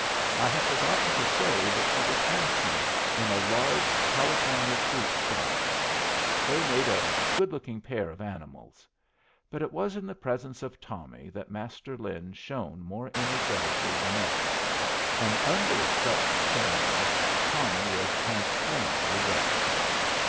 I have forgotten to say that she was handsome in a large California fruit style. They made a good looking pair of animals. But it was in the presence of Tommy that Master Lin shone more energetically than ever, and under such shining Tommy was transparently restless.